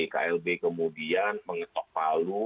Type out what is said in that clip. klb kemudian mengetok palu